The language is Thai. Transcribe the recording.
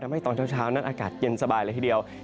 ให้ตอนเช้านั้นอากาศเย็นสบายเลยทีเดียว